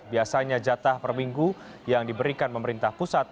biasanya jatah per minggu yang diberikan pemerintah pusat